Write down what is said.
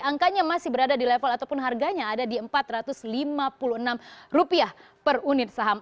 angkanya masih berada di level ataupun harganya ada di empat ratus lima puluh enam per unit saham